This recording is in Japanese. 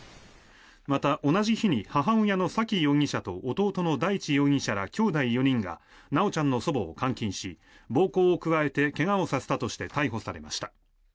また、同じ日に母親の沙喜容疑者と弟の大地容疑者らきょうだい４人が修ちゃんの祖母を監禁し暴行を加えて怪我をさせたとして逮捕されました。